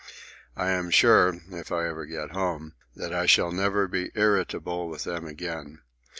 I am sure, if I ever get home, that I shall never be irritable with them again.